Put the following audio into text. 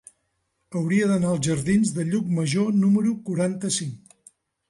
Hauria d'anar als jardins de Llucmajor número quaranta-cinc.